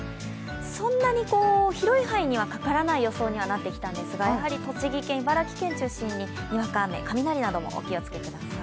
そんなに広い範囲にはかからない予想にはなってきたんですが、やはり栃木県、茨城県を中心ににわか雨、雷にもご注意ください。